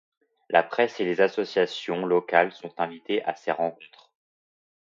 La presse et les associations locales sont invitées à ces rencontres.